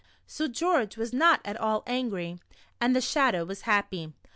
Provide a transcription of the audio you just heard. So George was not at all angry, and the Shadow was happy.